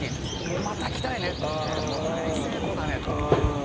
「また来たいね！」って言って「大成功だね！」って言って。